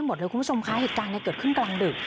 หมดเลยคุณผู้ชมคะเหตุการณ์เกิดขึ้นกลางดึก